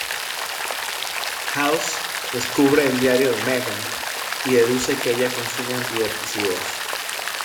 House descubre el diario de Megan y deduce que ella consume antidepresivos.